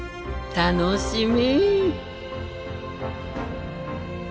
楽しみ。